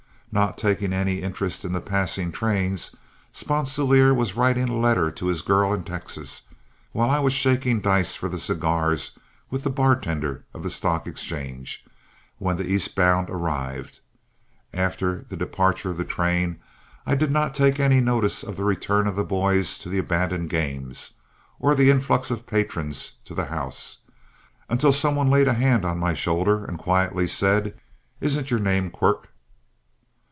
Not taking any interest in the passing trains, Sponsilier was writing a letter to his girl in Texas, while I was shaking dice for the cigars with the bartender of the Stock Exchange, when the Eastbound arrived. After the departure of the train, I did not take any notice of the return of the boys to the abandoned games, or the influx of patrons to the house, until some one laid a hand on my shoulder and quietly said, "Isn't your name Quirk?"